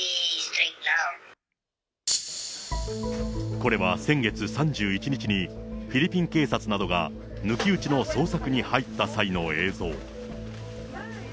これは先月３１日に、フィリピン警察などが抜き打ちの捜索に入った際の映像。